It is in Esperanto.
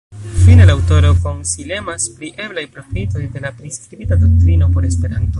Fine, la aŭtoro konsilemas pri eblaj profitoj de la priskribita doktrino por Esperanto.